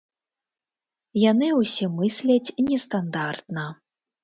Яны ўсе мысляць нестандартна.